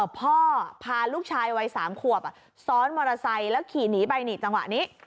พาลูกชายวัย๓ขวบซ้อนมอเตอร์ไซค์แล้วขี่หนีไปนี่จังหวะนี้